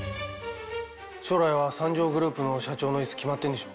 将来は三条グループの社長の椅子決まってんでしょ？